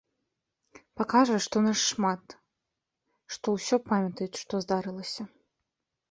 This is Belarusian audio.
Пакажа, што нас шмат, што ўсё памятаюць, што здарылася.